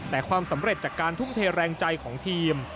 แต่ความสำเร็จจากการทุ่มเทแรงใจของทีม